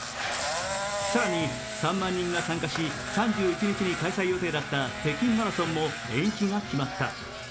更に３万人が参加し、３１日に開催予定だった北京マラソンも延期が決まった。